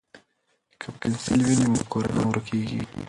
که پنسل وي نو مفکوره نه ورکیږي.